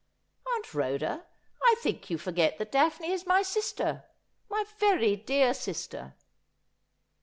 ' Aunt Rhoda, I think you forget that Daphne is my sister — my very dear sister.'